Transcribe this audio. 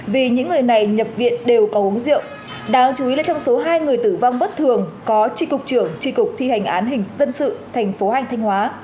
vì những người này nhập viện đều có uống rượu đáng chú ý là trong số hai người tử vong bất thường có tri cục trưởng tri cục thi hành án hình dân sự thành phố anh thanh hóa